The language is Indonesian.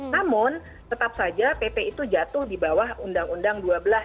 namun tetap saja pp itu jatuh di bawah undang undang dua belas